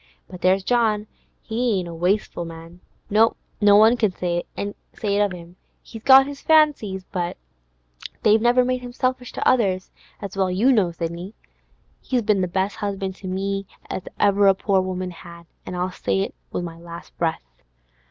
But there's John, he ain't a wasteful man; no one can't say it of him. He's got his fancies, but they've never made him selfish to others, as well you know, Sidney. He's been the best 'usband to me as ever a poor woman had, an' I'll say it with my last breath.